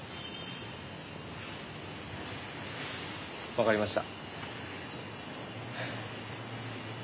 分かりました。